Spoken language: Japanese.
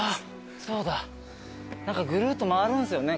そうだ何かぐるっと回るんすよね